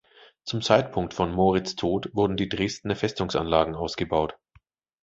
Zum Zeitpunkt von Moritz' Tod wurden die Dresdner Festungsanlagen ausgebaut.